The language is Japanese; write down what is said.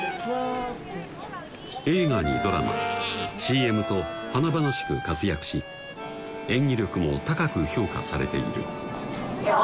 映画にドラマＣＭと華々しく活躍し演技力も高く評価されている「亮君！